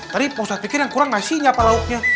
tadi ustaz pikir yang kurang nasinya apa lauknya